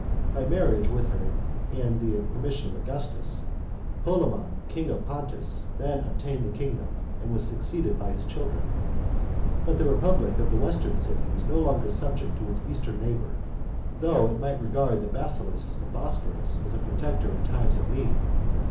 By marriage with her and the permission of Augustus, Polemon, king of Pontus, then obtained the kingdom, and was succeeded by his children. But the rapublic of the western city was no longer subject to its eastern neighbour, though it might regard the Basileus of Bosporus as a protector in time of need.